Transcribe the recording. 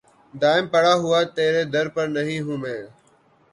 دائم پڑا ہوا تیرے در پر نہیں ہوں میں